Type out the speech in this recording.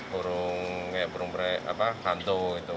burung kayak burung berai apa hantu gitu